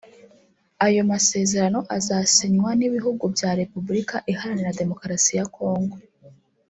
Ayo masezerano azasinywa n’ibihugu bya Repubulika Iharanira Demokarasi ya Congo